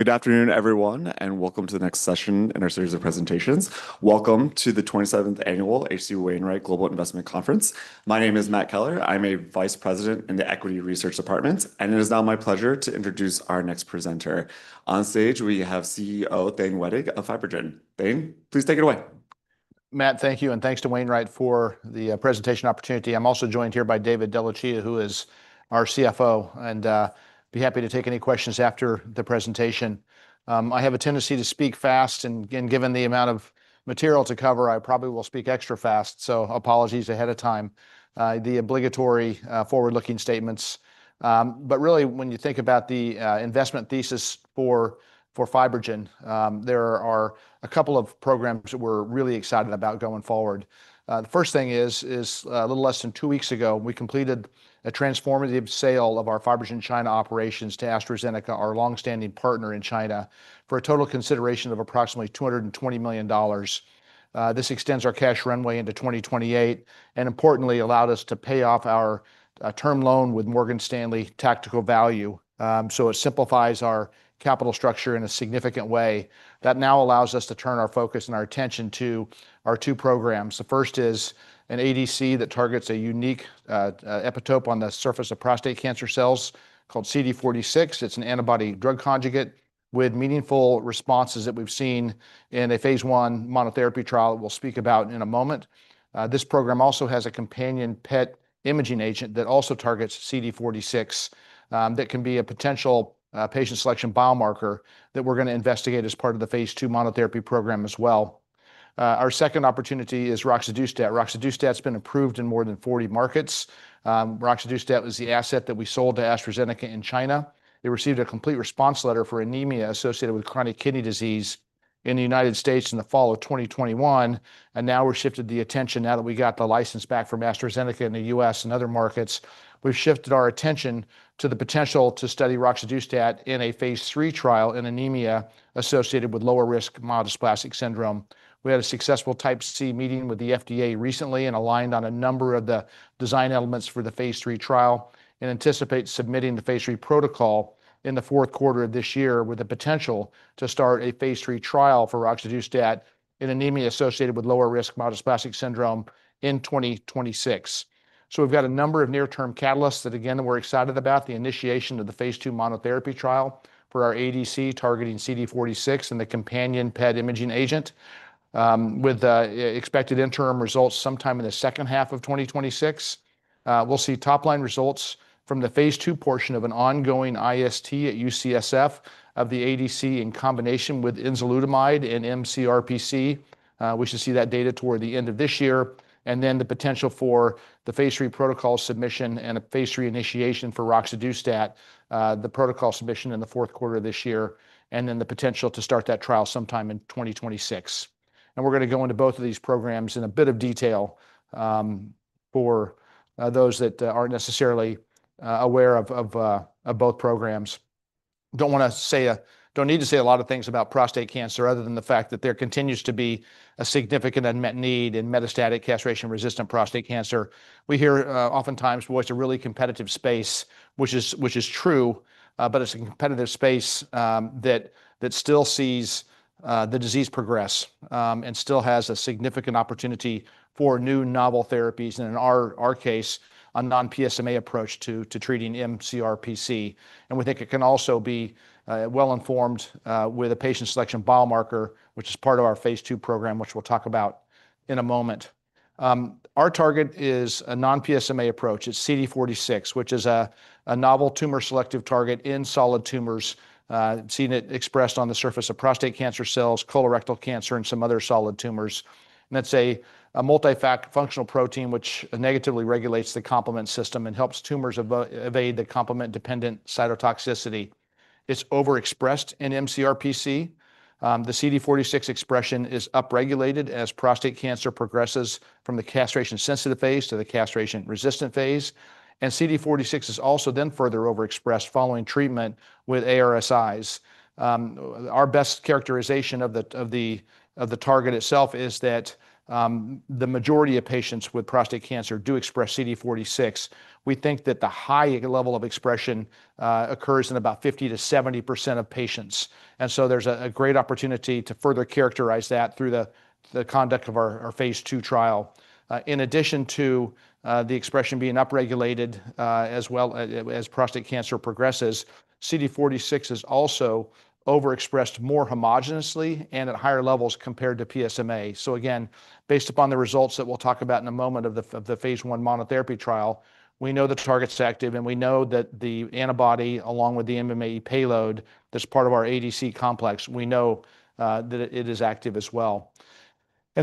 Good afternoon, everyone, and welcome to the next session in our series of presentations. Welcome to the 27th Annual H.C. Wainwright Global Investment Conference. My name is Matt Keller. I'm a Vice President in the Equity Research Department, and it is now my pleasure to introduce our next presenter. On stage, we have CEO Thane Wettig of FibroGen. Thane, please take it away. Matt, thank you, and thanks to H.C. Wainwright for the presentation opportunity. I'm also joined here by David DeLucia, who is our CFO, and I'd be happy to take any questions after the presentation. I have a tendency to speak fast, and given the amount of material to cover, I probably will speak extra fast, so apologies ahead of time. The obligatory forward-looking statements. But really, when you think about the investment thesis for FibroGen, there are a couple of programs that we're really excited about going forward. The first thing is, a little less than two weeks ago, we completed a transformative sale of our FibroGen China operations to AstraZeneca, our longstanding partner in China, for a total consideration of approximately $220 million. This extends our cash runway into 2028 and, importantly, allowed us to pay off our term loan with Morgan Stanley Tactical Value. So it simplifies our capital structure in a significant way. That now allows us to turn our focus and our attention to our two programs. The first is an ADC that targets a unique epitope on the surface of prostate cancer cells called CD46. It's an antibody-drug conjugate with meaningful responses that we've seen in a phase one monotherapy trial that we'll speak about in a moment. This program also has a companion PET imaging agent that also targets CD46 that can be a potential patient selection biomarker that we're going to investigate as part of the phase two monotherapy program as well. Our second opportunity is roxadustat. Roxadustat has been approved in more than 40 markets. Roxadustat was the asset that we sold to AstraZeneca in China. They received a complete response letter for anemia associated with chronic kidney disease in the United States in the fall of 2021, and now we've shifted the attention. Now that we got the license back from AstraZeneca in the US and other markets, we've shifted our attention to the potential to study roxadustat in a phase three trial in anemia associated with lower risk myelodysplastic syndrome. We had a successful type C meeting with the FDA recently and aligned on a number of the design elements for the phase three trial and anticipate submitting the phase three protocol in the fourth quarter of this year, with the potential to start a phase three trial for roxadustat in anemia associated with lower risk myelodysplastic syndrome in 2026. So we've got a number of near-term catalysts that, again, we're excited about the initiation of the phase two monotherapy trial for our ADC targeting CD46 and the companion PET imaging agent, with expected interim results sometime in the second half of 2026. We'll see top-line results from the phase two portion of an ongoing IST at UCSF of the ADC in combination with enzalutamide in MCRPC. We should see that data toward the end of this year, and then the potential for the phase three protocol submission and a phase three initiation for roxadustat, the protocol submission in the fourth quarter of this year, and then the potential to start that trial sometime in 2026. And we're going to go into both of these programs in a bit of detail for those that aren't necessarily aware of both programs. Don't want to say, don't need to say a lot of things about prostate cancer other than the fact that there continues to be a significant unmet need in metastatic castration-resistant prostate cancer. We hear oftentimes, well, it's a really competitive space, which is true, but it's a competitive space that still sees the disease progress and still has a significant opportunity for new novel therapies and, in our case, a non-PSMA approach to treating MCRPC. And we think it can also be well-informed with a patient selection biomarker, which is part of our phase two program, which we'll talk about in a moment. Our target is a non-PSMA approach. It's CD46, which is a novel tumor selective target in solid tumors. Seen it expressed on the surface of prostate cancer cells, colorectal cancer, and some other solid tumors. That's a multifunctional protein which negatively regulates the complement system and helps tumors evade the complement-dependent cytotoxicity. It's overexpressed in MCRPC. The CD46 expression is upregulated as prostate cancer progresses from the castration-sensitive phase to the castration-resistant phase. CD46 is also then further overexpressed following treatment with ARSIs. Our best characterization of the target itself is that the majority of patients with prostate cancer do express CD46. We think that the high level of expression occurs in about 50%-70% of patients. So there's a great opportunity to further characterize that through the conduct of our phase 2 trial. In addition to the expression being upregulated as well as prostate cancer progresses, CD46 is also overexpressed more homogenously and at higher levels compared to PSMA. Again, based upon the results that we'll talk about in a moment of the phase one monotherapy trial, we know the target's active, and we know that the antibody, along with the MMAE payload that's part of our ADC complex, we know that it is active as well.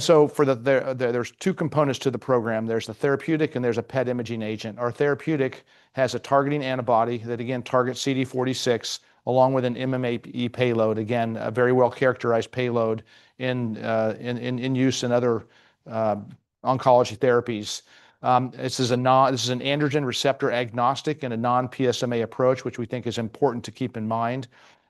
There's two components to the program. There's the therapeutic, and there's a PET imaging agent. Our therapeutic has a targeting antibody that, again, targets CD46 along with an MMAE payload, again, a very well-characterized payload in use in other oncology therapies. This is an androgen receptor agnostic and a non-PSMA approach, which we think is important to keep in mind.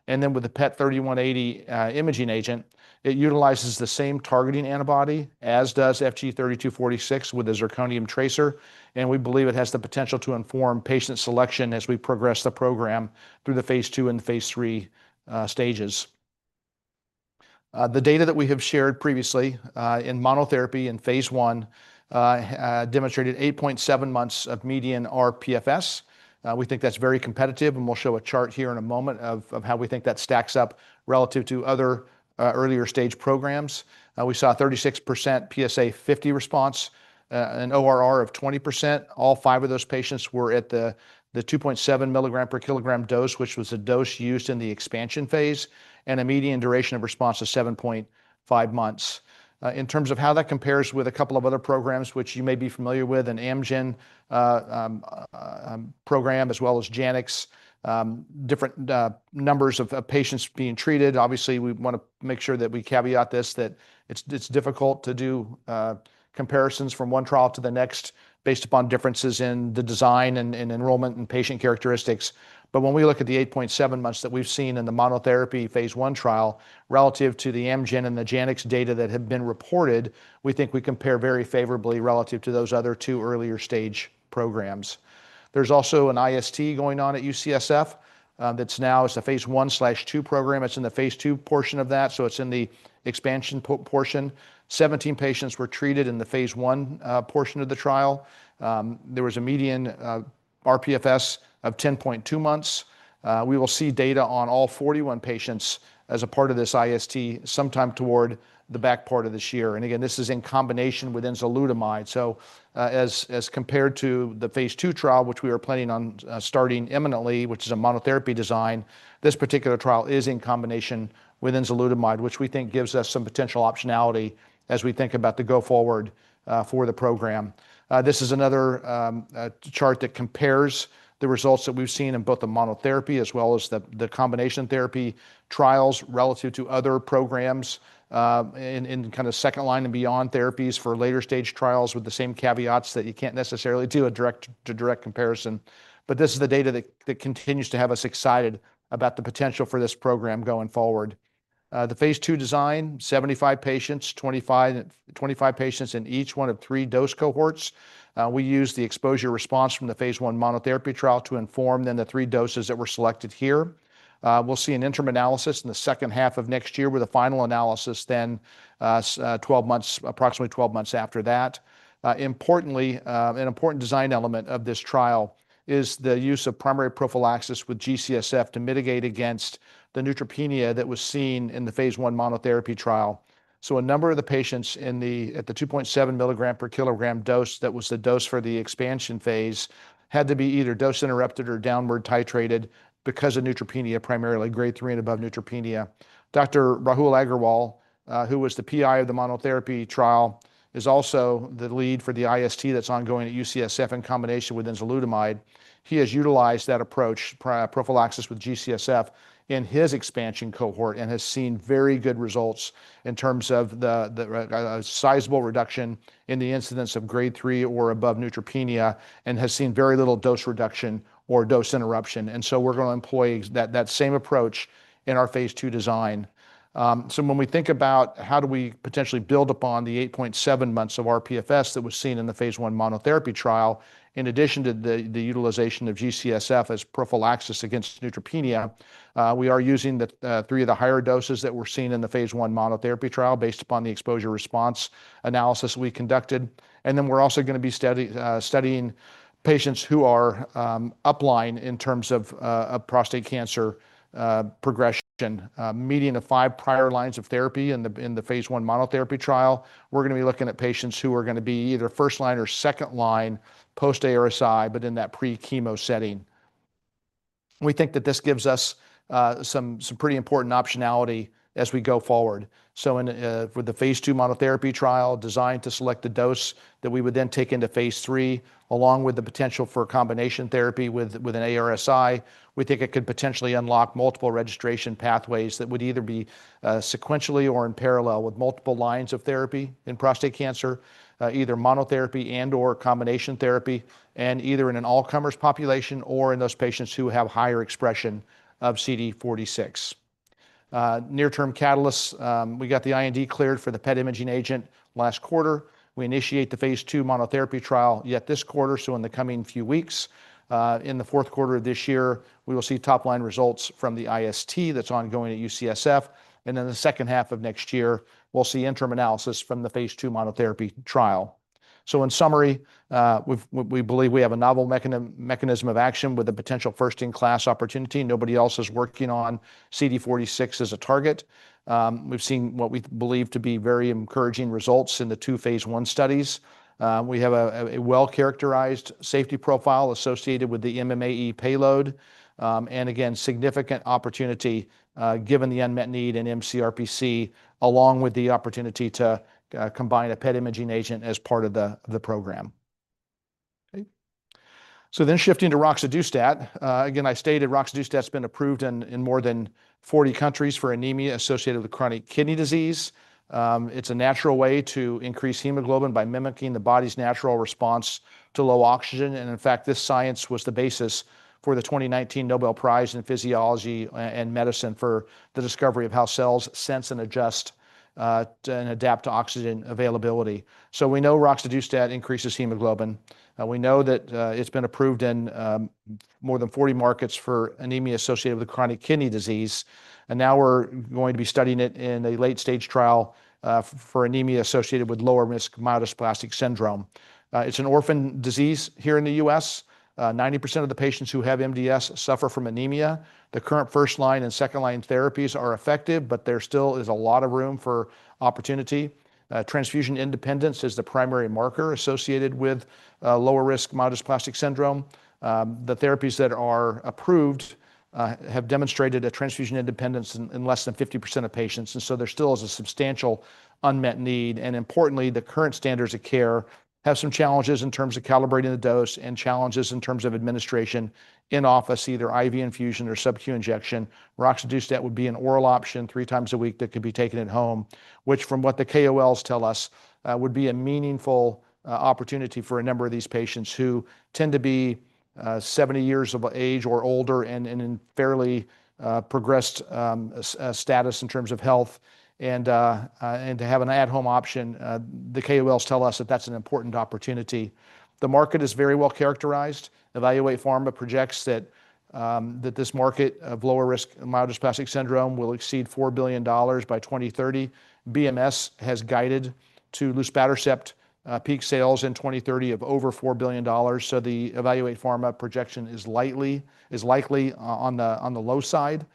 And then with the PET-3180 imaging agent, it utilizes the same targeting antibody as does FG3246 with the zirconium tracer, and we believe it has the potential to inform patient selection as we progress the program through the phase two and phase three stages. The data that we have shared previously in monotherapy in phase one demonstrated 8.7 months of median RPFS. We think that's very competitive, and we'll show a chart here in a moment of how we think that stacks up relative to other earlier stage programs. We saw a 36% PSA 50 response, an ORR of 20%. All five of those patients were at the 2.7 milligram per kilogram dose, which was a dose used in the expansion phase, and a median duration of response of 7.5 months. In terms of how that compares with a couple of other programs, which you may be familiar with, an Amgen program as well as Janux, different numbers of patients being treated. Obviously, we want to make sure that we caveat this that it's difficult to do comparisons from one trial to the next based upon differences in the design and enrollment and patient characteristics. But when we look at the 8.7 months that we've seen in the monotherapy phase 1 trial relative to the Amgen and the Janux data that have been reported, we think we compare very favorably relative to those other two earlier stage programs. There's also an IST going on at UCSF that's now, it's a phase 1/2 program. It's in the phase 2 portion of that, so it's in the expansion portion. 17 patients were treated in the phase 1 portion of the trial. There was a median RPFS of 10.2 months. We will see data on all 41 patients as a part of this IST sometime toward the back part of this year. And again, this is in combination with enzalutamide. So as compared to the phase two trial, which we are planning on starting imminently, which is a monotherapy design, this particular trial is in combination with enzalutamide, which we think gives us some potential optionality as we think about the go-forward for the program. This is another chart that compares the results that we've seen in both the monotherapy as well as the combination therapy trials relative to other programs in kind of second line and beyond therapies for later stage trials with the same caveats that you can't necessarily do a direct-to-direct comparison. But this is the data that continues to have us excited about the potential for this program going forward. The phase 2 design, 75 patients, 25 patients in each one of three dose cohorts. We use the exposure response from the phase 1 monotherapy trial to inform then the three doses that were selected here. We'll see an interim analysis in the second half of next year with a final analysis then approximately 12 months after that. Importantly, an important design element of this trial is the use of primary prophylaxis with G-CSF to mitigate against the neutropenia that was seen in the phase 1 monotherapy trial. So a number of the patients at the 2.7 milligram per kilogram dose that was the dose for the expansion phase had to be either dose interrupted or downward titrated because of neutropenia, primarily grade three and above neutropenia. Dr. Rahul Aggarwal, who was the PI of the monotherapy trial, is also the lead for the IST that's ongoing at UCSF in combination with enzalutamide. He has utilized that approach, prophylaxis with G-CSF in his expansion cohort, and has seen very good results in terms of a sizable reduction in the incidence of grade three or above neutropenia and has seen very little dose reduction or dose interruption, and so we're going to employ that same approach in our phase two design, so when we think about how do we potentially build upon the 8.7 months of RPFS that was seen in the phase one monotherapy trial, in addition to the utilization of G-CSF as prophylaxis against neutropenia, we are using three of the higher doses that were seen in the phase one monotherapy trial based upon the exposure response analysis we conducted. Then we're also going to be studying patients who are earlier line in terms of prostate cancer progression. Median of five prior lines of therapy in the phase one monotherapy trial. We're going to be looking at patients who are going to be either first line or second line post-ARSI, but in that pre-chemo setting. We think that this gives us some pretty important optionality as we go forward. With the phase two monotherapy trial designed to select the dose that we would then take into phase three, along with the potential for combination therapy with an ARSI, we think it could potentially unlock multiple registration pathways that would either be sequentially or in parallel with multiple lines of therapy in prostate cancer, either monotherapy and/or combination therapy, and either in an all-comers population or in those patients who have higher expression of CD46. Near-term catalysts. We got the IND cleared for the PET imaging agent last quarter. We initiate the phase two monotherapy trial in this quarter, so in the coming few weeks. In the fourth quarter of this year, we will see top-line results from the IST that's ongoing at UCSF, and then the second half of next year, we'll see interim analysis from the phase two monotherapy trial, so in summary, we believe we have a novel mechanism of action with a potential first-in-class opportunity. Nobody else is working on CD46 as a target. We've seen what we believe to be very encouraging results in the two phase one studies. We have a well-characterized safety profile associated with the MMAE payload, and again, significant opportunity given the unmet need in MCRPC, along with the opportunity to combine a PET imaging agent as part of the program, so then shifting to Roxadustat. Again, I stated Roxadustat has been approved in more than 40 countries for anemia associated with chronic kidney disease. It's a natural way to increase hemoglobin by mimicking the body's natural response to low oxygen, and in fact, this science was the basis for the 2019 Nobel Prize in Physiology and Medicine for the discovery of how cells sense and adjust and adapt to oxygen availability, so we know Roxadustat increases hemoglobin. We know that it's been approved in more than 40 markets for anemia associated with chronic kidney disease, and now we're going to be studying it in a late-stage trial for anemia associated with lower risk myelodysplastic syndrome. It's an orphan disease here in the U.S. 90% of the patients who have MDS suffer from anemia. The current first-line and second-line therapies are effective, but there still is a lot of room for opportunity. Transfusion independence is the primary marker associated with lower risk myelodysplastic syndrome. The therapies that are approved have demonstrated a transfusion independence in less than 50% of patients. So there still is a substantial unmet need. Importantly, the current standards of care have some challenges in terms of calibrating the dose and challenges in terms of administration in office, either IV infusion or subcutaneous injection. Roxadustat would be an oral option three times a week that could be taken at home, which from what the KOLs tell us would be a meaningful opportunity for a number of these patients who tend to be 70 years of age or older and in fairly progressed status in terms of health and to have an at-home option. The KOLs tell us that that's an important opportunity. The market is very well characterized. EvaluatePharma projects that this market of lower risk myelodysplastic syndrome will exceed $4 billion by 2030. BMS has guided to luspatercept peak sales in 2030 of over $4 billion. So the EvaluatePharma projection is likely on the low side.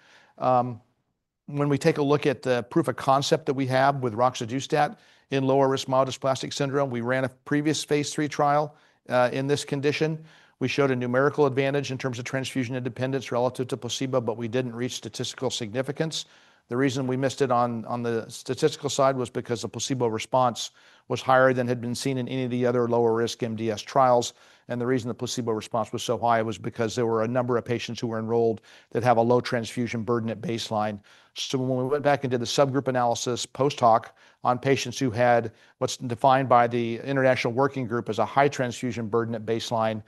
When we take a look at the proof of concept that we have with roxadustat in lower risk myelodysplastic syndrome, we ran a previous phase three trial in this condition. We showed a numerical advantage in terms of transfusion independence relative to placebo, but we didn't reach statistical significance. The reason we missed it on the statistical side was because the placebo response was higher than had been seen in any of the other lower risk MDS trials. And the reason the placebo response was so high was because there were a number of patients who were enrolled that have a low transfusion burden at baseline. When we went back into the subgroup analysis post-hoc on patients who had what's defined by the International Working Group as a high transfusion burden at baseline,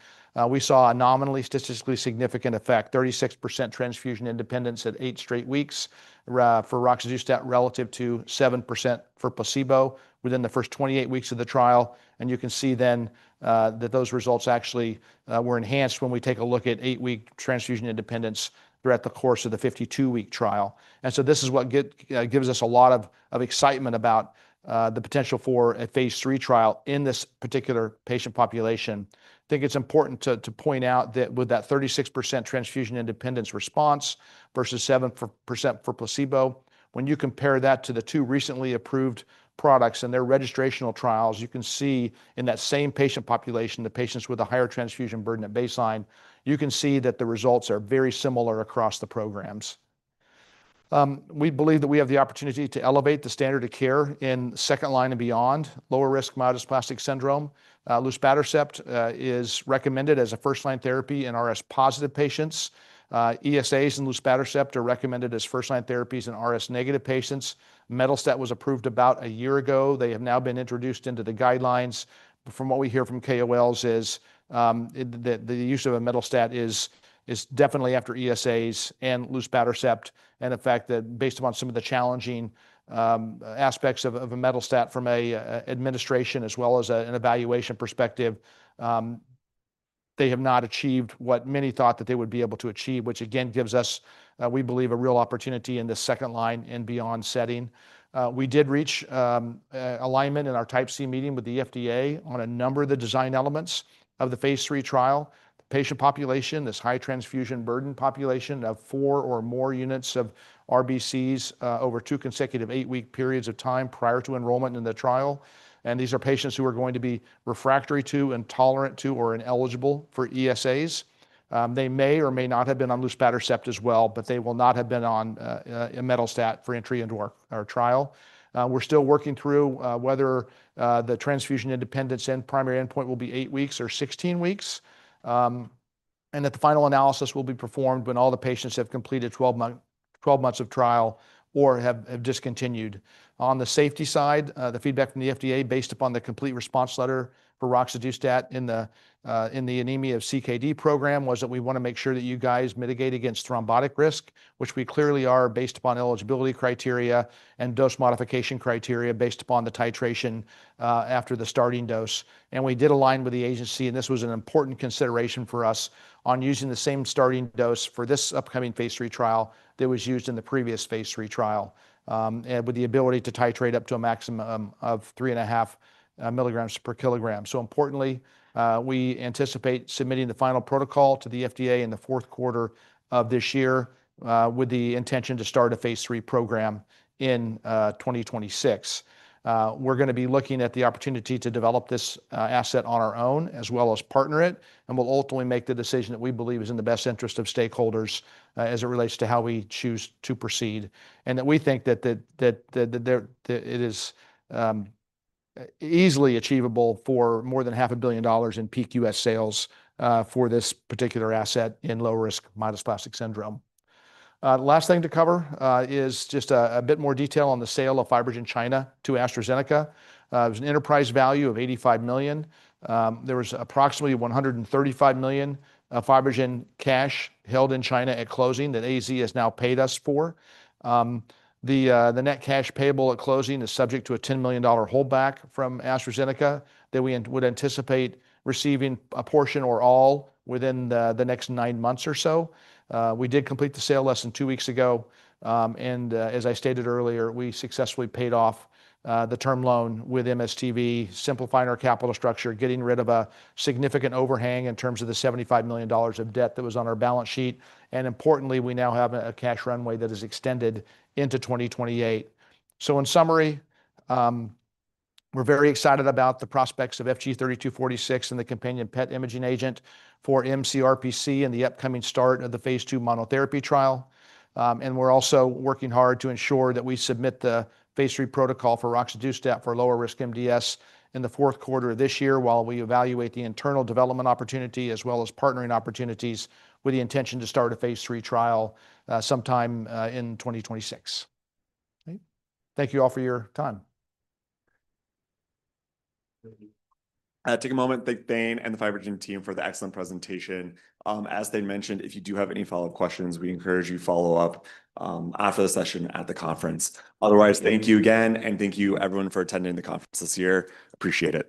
we saw a nominally statistically significant effect, 36% transfusion independence at eight straight weeks for roxadustat relative to 7% for placebo within the first 28 weeks of the trial. You can see then that those results actually were enhanced when we take a look at eight-week transfusion independence throughout the course of the 52-week trial. This is what gives us a lot of excitement about the potential for a phase three trial in this particular patient population. I think it's important to point out that with that 36% transfusion independence response versus 7% for placebo, when you compare that to the two recently approved products and their registrational trials, you can see in that same patient population, the patients with a higher transfusion burden at baseline, you can see that the results are very similar across the programs. We believe that we have the opportunity to elevate the standard of care in second line and beyond lower risk myelodysplastic syndrome. Luspatercept is recommended as a first-line therapy in RS positive patients. ESAs and luspatercept are recommended as first-line therapies in RS negative patients. Imetelstat was approved about a year ago. They have now been introduced into the guidelines. From what we hear from KOLs is that the use of an imetelstat is definitely after ESAs and luspatercept and the fact that based upon some of the challenging aspects of an imetelstat from an administration as well as an evaluation perspective, they have not achieved what many thought that they would be able to achieve, which again gives us, we believe, a real opportunity in the second line and beyond setting. We did reach alignment in our Type C meeting with the FDA on a number of the design elements of the phase three trial. The patient population is high transfusion burden population of four or more units of RBCs over two consecutive eight-week periods of time prior to enrollment in the trial. These are patients who are going to be refractory to, intolerant to, or ineligible for ESAs. They may or may not have been on luspatercept as well, but they will not have been on imetelstat for entry into our trial. We're still working through whether the transfusion independence and primary endpoint will be eight weeks or 16 weeks, and that the final analysis will be performed when all the patients have completed 12 months of trial or have discontinued. On the safety side, the feedback from the FDA based upon the Complete Response Letter for roxadustat in the anemia of CKD program was that we want to make sure that you guys mitigate against thrombotic risk, which we clearly are based upon eligibility criteria and dose modification criteria based upon the titration after the starting dose. We did align with the agency, and this was an important consideration for us on using the same starting dose for this upcoming phase three trial that was used in the previous phase three trial and with the ability to titrate up to a maximum of three and a half milligrams per kilogram. Importantly, we anticipate submitting the final protocol to the FDA in the fourth quarter of this year with the intention to start a phase three program in 2026. We're going to be looking at the opportunity to develop this asset on our own as well as partner it. We'll ultimately make the decision that we believe is in the best interest of stakeholders as it relates to how we choose to proceed. We think that it is easily achievable for more than $500 million in peak US sales for this particular asset in low-risk myelodysplastic syndrome. Last thing to cover is just a bit more detail on the sale of FibroGen China to AstraZeneca. There's an enterprise value of $85 million. There was approximately $135 million FibroGen cash held in China at closing that AZ has now paid us for. The net cash payable at closing is subject to a $10 million holdback from AstraZeneca that we would anticipate receiving a portion or all within the next nine months or so. We did complete the sale less than two weeks ago. As I stated earlier, we successfully paid off the term loan with MSTV, simplifying our capital structure, getting rid of a significant overhang in terms of the $75 million of debt that was on our balance sheet. And importantly, we now have a cash runway that is extended into 2028. So in summary, we're very excited about the prospects of FG3246 and the companion PET imaging agent for MCRPC and the upcoming start of the phase two monotherapy trial. We're also working hard to ensure that we submit the phase three protocol for roxadustat for lower risk MDS in the fourth quarter of this year while we evaluate the internal development opportunity as well as partnering opportunities with the intention to start a phase three trial sometime in 2026. Thank you all for your time. Take a moment. Thank Thane and the FibroGen team for the excellent presentation. As they mentioned, if you do have any follow-up questions, we encourage you to follow up after the session at the conference. Otherwise, thank you again, and thank you everyone for attending the conference this year. Appreciate it.